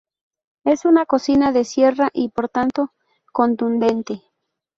Es una cocina de sierra y por tanto contundente.